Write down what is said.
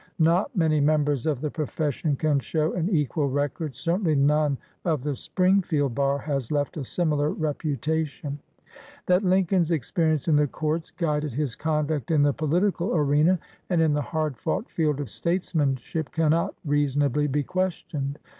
Not many members of the pro fession can show an equal record; certainly none of the Springfield bar has left a similar reputa tion. That Lincoln's experience in the courts 7 109 LINCOLN THE LAWYER guided his conduct in the political arena and in the hard fought field of statesmanship cannot reasonably be questioned.